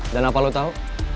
dan apa lu tau